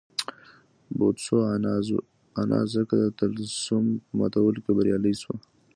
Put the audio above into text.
بوتسوانا ځکه د طلسم په ماتولو کې بریالۍ شوه.